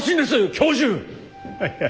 教授！